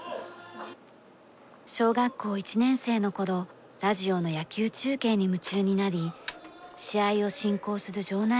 小学校１年生の頃ラジオの野球中継に夢中になり試合を進行する場内